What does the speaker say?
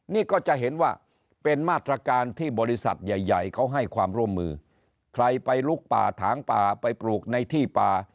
นี่ก็จะเห็นว่าเป็นมาตรการที่บริษัทใหญ่ใหญ่เขาให้ความร่วมมือใครไปลุกป่าถางป่าไปปลูกในที่ป่า